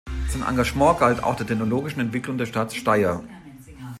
Sein Engagement galt auch der technologischen Entwicklung der Stadt Steyr.